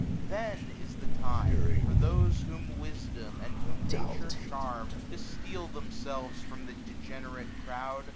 Then is the time. For those whom wisdom and whom Nature charm, To\steal themselves from the degenerate crowd.